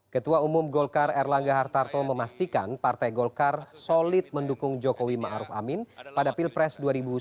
ketua umum golkar erlangga hartarto memastikan partai golkar solid mendukung jokowi ⁇ maruf ⁇ amin pada pilpres dua ribu sembilan belas